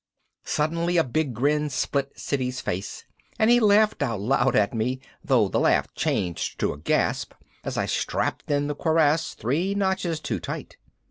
Suddenly a big grin split Siddy's face and he laughed out loud at me, though the laugh changed to a gasp as I strapped in the cuirass three notches too tight.